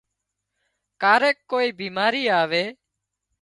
ڪاريڪ ڪوئي بيماري آوي